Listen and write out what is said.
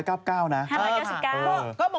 ถ้าเป็นหมูที่๕๙๙นะ